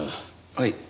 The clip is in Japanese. はい。